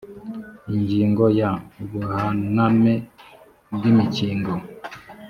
ingingo ya ubuhaname bw imikingo